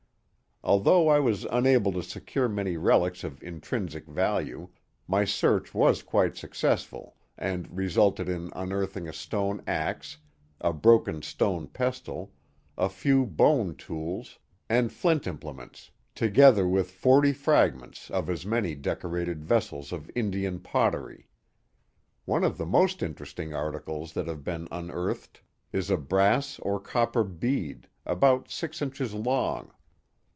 Although I was unable to secure many relics of intrinsic value, my search was quite suc cessful and resulted in unearthing a stone axe, a broken stone pestle, a few bone tools, and flint implements, together with forty fragments of as many decorated vessels of Indian pot tery. One of the most interesting articles that have been un earthed is a brass or copper bead, about six inches long.